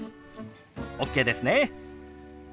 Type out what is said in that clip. ＯＫですね。